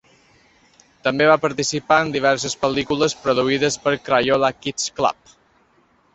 També va participar en diverses pel·lícules produïdes per Crayola Kid's Club.